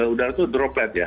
udara itu droplet ya